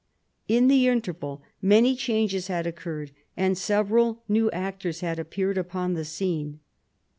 In the interval many changes had occur red, and several new actors had appeared upon the scene.